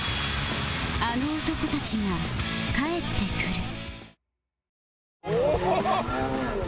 あの男たちが帰ってくる